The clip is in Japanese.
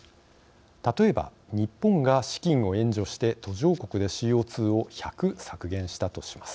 例えば日本が資金を援助して途上国でＣＯ２を１００削減したとします。